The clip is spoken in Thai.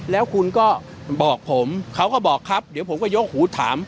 แล้วคุณก็บอกผมเขาก็บอกครับเดี๋ยวผมก็ยกหูถาม